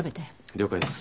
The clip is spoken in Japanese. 了解です。